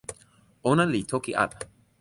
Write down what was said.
ona li toki ala